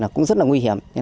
cũng rất là nguyên nhân